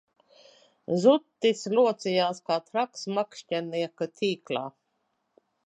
Zutis locījās kā traks makšķernieka tīklā